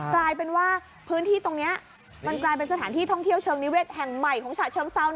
กลายเป็นว่าพื้นที่ตรงนี้มันกลายเป็นสถานที่ท่องเที่ยวเชิงนิเวศแห่งใหม่ของฉะเชิงเซา